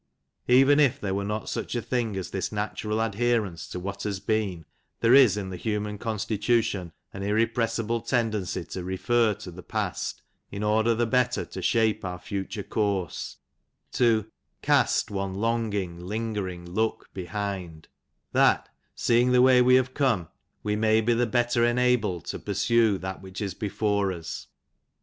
Even if there were not such a thing as this natural adherence to what has been, there is in the human constitution an irrepres sible tendency to refer to the past, in order the better to shape our future course, to " Cast one longing, lingering, look behind ;*' that, seeing the way we have come, we may be the better enabled to pursue that which is before us.